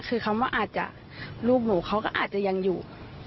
คือคำว่าอาจจะลูกหนูเขาก็อาจจะยังอยู่